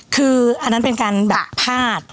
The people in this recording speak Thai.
คืออันนั้นเป็นการแบบพลาด